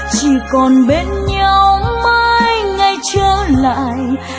chỉ còn bên nhau mãi ngay trước lại